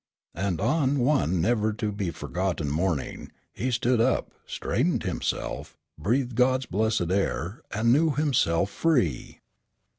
And on one never to be forgotten morning he stood up, straightened himself, breathed God's blessed air, and knew himself free!